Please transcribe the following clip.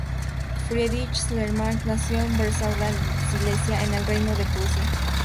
Friedrich Schleiermacher nació en Breslau, Silesia, en el Reino de Prusia.